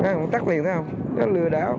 nó tắt liền thế không